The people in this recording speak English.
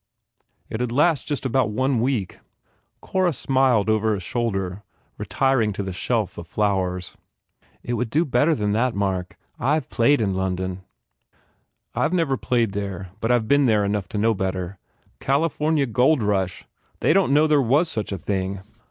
It d last just about one week!" Cora smiled over a shoulder, retiring to the shelf of flowers. "It would do better than that, Mark. I ve played in London." "I ve never played there but I ve been there enough to know better. California Gold Rush! They don t know there was such a thing!"